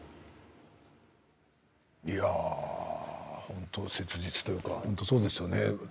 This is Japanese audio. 本当に切実というか本当にそうですよね。